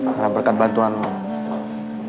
karena berkat bantuan kamu